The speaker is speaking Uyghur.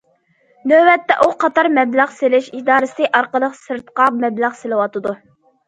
نۆۋەتتە ئۇ قاتار مەبلەغ سېلىش ئىدارىسى ئارقىلىق سىرتقا مەبلەغ سېلىۋاتىدۇ.